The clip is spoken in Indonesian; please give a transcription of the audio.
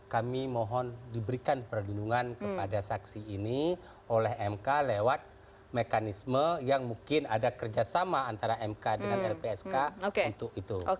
kami mohon diberikan perlindungan kepada saksi ini oleh mk lewat mekanisme yang mungkin ada kerjasama antara mk dengan lpsk untuk itu